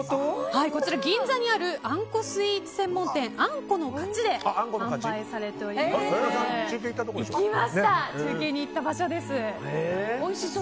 こちら、銀座にあるあんこスイーツ専門店あんこの勝ちで中継行ったところでしょ。